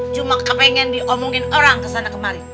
cuma kepengen diomongin orang kesana kemari